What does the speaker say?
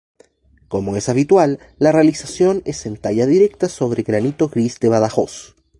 Como es habitual, la realización es en talla directa sobre granito gris de Badajoz.